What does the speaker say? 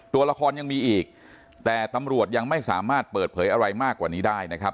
ตัวละครยังมีอีกแต่ตำรวจยังไม่สามารถเปิดเผยอะไรมากกว่านี้ได้นะครับ